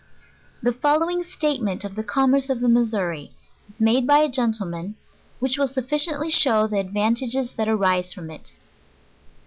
PREFACE. xi ichig statement <f Ike Commerce of the Missouri, u made by a gentleman ^ which will sufficiently show the ad vantages that arise from it.